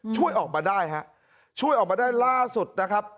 ช่วยออกมาได้ฮะช่วยออกมาได้ล่าสุดนะครับ